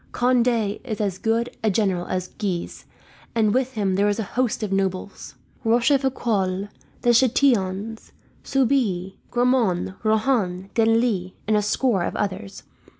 Conde is as good a general as Guise, and with him there is a host of nobles: Rochefoucauld, the Chatillons, Soubise, Gramont, Rohan, Genlis, and a score of others.